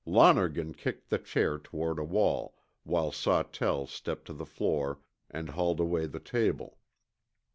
Lonergan kicked the chair toward a wall, while Sawtell stepped to the floor and hauled away the table.